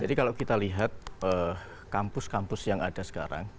jadi kalau kita lihat kampus kampus yang ada sekarang